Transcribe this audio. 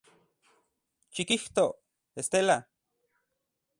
Xikijto, Estela.